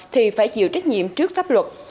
thì phải chịu trách nhiệm trước pháp luật